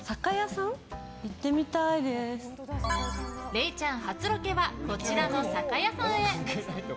れいちゃん初ロケはこちらの酒屋さんへ。